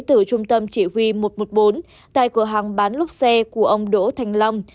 từ trung tâm chỉ huy một trăm một mươi bốn tại cửa hàng bán lốp xe của ông đỗ thành long